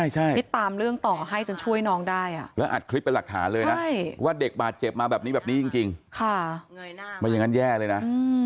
นี่ตามเรื่องต่อให้จนช่วยน้องได้แล้วอัดคลิปเป็นหลักฐานเลยนะว่าเด็กบาดเจ็บมาแบบนี้แบบนี้จริงไม่อย่างนั้นแย่เลยนะ